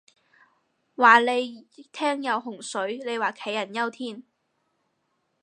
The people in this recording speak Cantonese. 話你聽有洪水，你話人杞人憂天